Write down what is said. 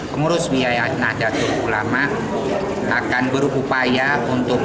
pengurus biaya nahdien ulama akan berupaya untuk